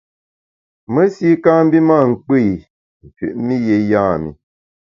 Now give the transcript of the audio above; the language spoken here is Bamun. Mesi kâ mbi mâ nkpù i, mfüt mi yé yam’i.